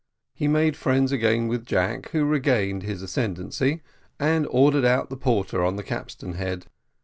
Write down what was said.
He made friends again with Jack, who regained his ascendancy, and ordered out the porter on the capstern head.